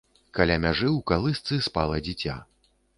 Каля мяжы ў калысцы спала дзіця.